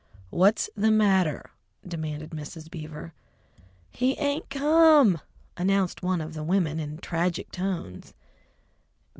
"What's the matter?" demanded Mrs. Beaver. "He ain't come!" announced one of the women in tragic tones.